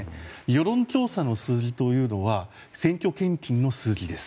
世論調査の数字というのは選挙献金の数字です。